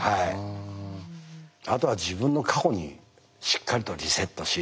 あとは自分の過去にしっかりとリセットし。